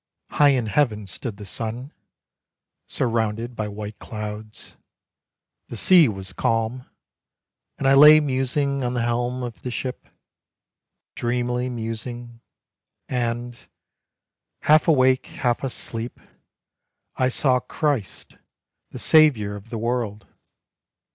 High in heaven stood the sun, Surrounded by white clouds. The sea was calm; And I lay musing on the helm of the ship, Dreamily musing, and, half awake, Half asleep, I saw Christ, The Savior of the world.